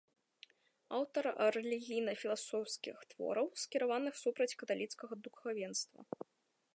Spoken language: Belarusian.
Аўтар рэлігійна-філасофскіх твораў, скіраваных супраць каталіцкага духавенства.